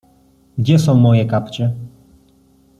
Gdzie są moje kapcie?